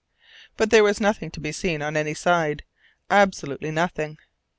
But there was nothing to be seen on any side, absolutely nothing.